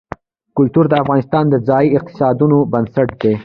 کلتور د افغانستان د ځایي اقتصادونو بنسټ دی.